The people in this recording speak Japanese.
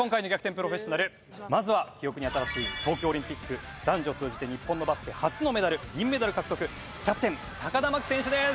プロフェッショナルまずは記憶に新しい東京オリンピック男女通じて日本のバスケ初のメダル銀メダル獲得キャプテン田真希選手です。